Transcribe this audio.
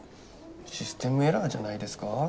システムエラーじゃないですか？